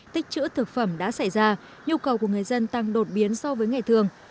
tích chữ thực phẩm đã xảy ra nhu cầu của người dân tăng đột biến so với ngày thường